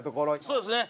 そうですね。